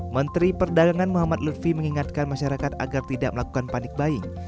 menteri perdagangan muhammad lutfi mengingatkan masyarakat agar tidak melakukan panik buying